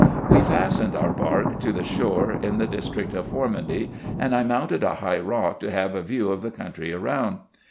We fastened our bark to the shore in the district of Formundy, and I mounted a high rock, to have a view of the country round.